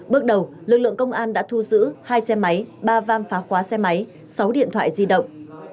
bước đầu lực lượng công an đã thu giữ hai xe máy ba vam phá khóa xe máy sáu điện thoại di động